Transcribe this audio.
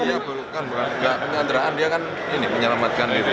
iya penyanderaan dia kan ini menyelamatkan diri